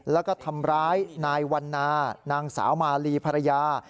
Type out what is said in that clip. แล้วก็ทำร้ายนายวันนานางสาวมาลีภรรยา